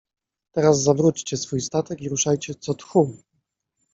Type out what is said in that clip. Teraz zawróćcie swój statek i ruszajcie co tchu.